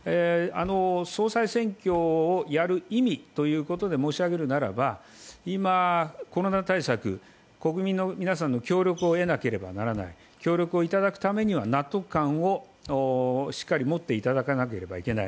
総裁選挙をやる意味ということで申し上げるならば今、コロナ対策、国民の皆さんの協力を得なければならない、協力をいただくためにも納得感をしっかり持っていただかなければいけない。